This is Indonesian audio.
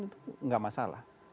itu gak masalah